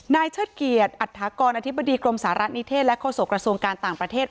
เชิดเกียจอัตถากรอธิบดีกรมสาระนิเทศและโฆษกระทรวงการต่างประเทศ